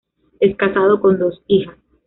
Es casado, con dos hijas.